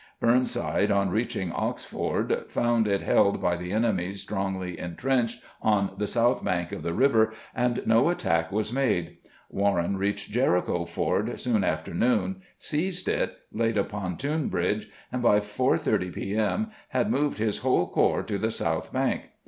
Burnside, on reaching Ox Ford, found it held by the enemy strongly intrenched on the south bank of the river, and no attack was made. Warren reached Jericho Ford soon after noon, seized it, laid a pontoon bridge, and by 4 : 30 p. M. had moved his whole corps to the south bank.